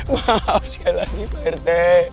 maaf sekali lagi pak rt